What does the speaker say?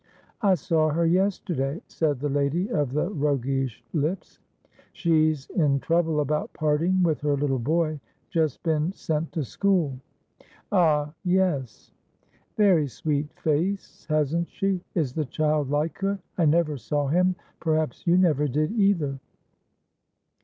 "I saw her yesterday," said the lady of the roguish lips. "She's in trouble about parting with her little boyjust been sent to school." "Ahyes." "Very sweet face, hasn't she? Is the child like her? I never saw himperhaps you never did, either?"